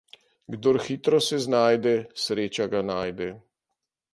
Kdor hitro se znajde, sreča ga najde.